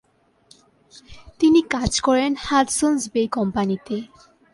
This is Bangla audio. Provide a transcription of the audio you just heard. তিনি কাজ করেন হাডসন’স বে কোম্পানিতে।